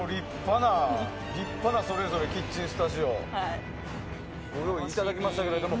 立派な、それぞれキッチンスタジオをご用意いただきましたけれども。